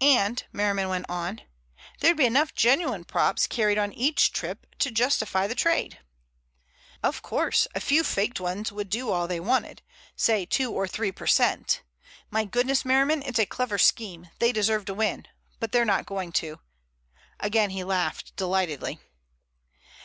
"And," Merriman went on, "there'd be enough genuine props carried on each trip to justify the trade." "Of course. A very few faked ones would do all they wanted—say two or three per cent. My goodness, Merriman, it's a clever scheme; they deserve to win. But they're not going to." Again he laughed delightedly.